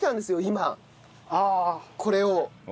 今これを。